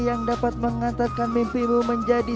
yang dapat mengantarkan mimpimu menjadi